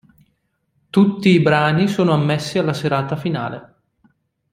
Tutti i brani sono ammessi alla serata finale.